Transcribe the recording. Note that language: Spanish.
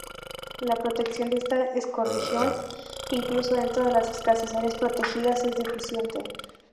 La protección de esta ecorregión, incluso dentro de las escasas áreas protegidas, es deficiente.